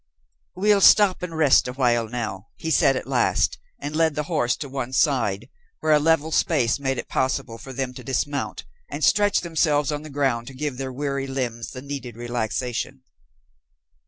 "We'll stop and rest awhile now," he said at last, and led the horse to one side, where a level space made it possible for them to dismount and stretch themselves on the ground to give their weary limbs the needed relaxation.